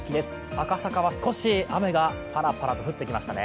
赤坂は少し雨がパラパラと降ってきましたね。